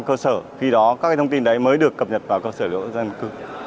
cơ sở khi đó các thông tin đấy mới được cập nhật vào cơ sở dân cư